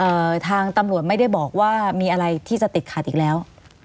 ทางตำรวจไม่ได้บอกว่ามีอะไรที่จะติดขัดอีกแล้ว